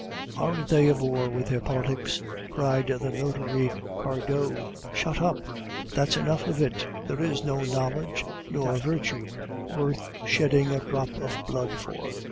"Aren't they a bore with their politics!" said the notary Cardot. "Shut up. That's enough of it. There is no knowledge nor virtue worth shedding a drop of blood for.